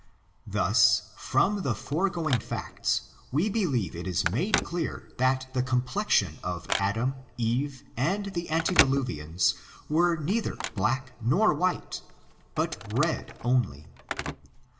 Thus, from the foregoing facts, we believe it is made clear that the complexion of Adam, Eve, and the antediluvians, was neither black nor white, but red only.